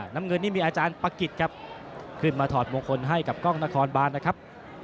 น้ำเงินนี่มีอาจารย์ปะกิจครับขึ้นมาถอดมงคลให้กับกล้องนครบานนะครับ